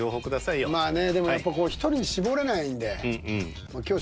まあねでもやっぱ一人に絞れないんだよ。